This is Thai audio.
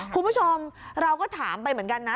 คุณผู้ชมเราก็ถามไปเหมือนกันนะ